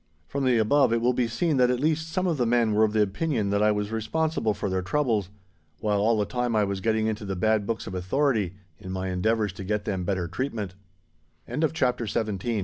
From the above it will be seen that at least some of the men were of the opinion that I was responsible for their troubles, while all the time I was getting into the bad books of authority in my endeavours to